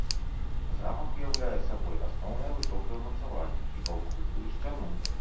Замак уяўляе сабой асноўнае высокае ўмацаванне, і паўкруглую сцяну.